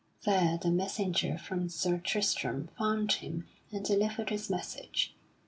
There the messenger from Sir Tristram found him and delivered his message.